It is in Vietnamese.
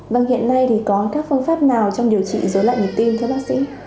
vâng hiện nay thì có các phương pháp nào trong điều trị dối loạn nhịp tim thưa bác sĩ